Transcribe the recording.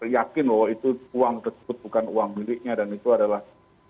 yakin bahwa itu uang tersebut bukan uang miliknya dan itu adalah